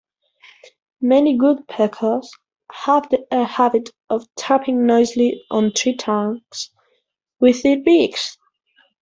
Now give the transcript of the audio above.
Many woodpeckers have the habit of tapping noisily on tree trunks with their beaks.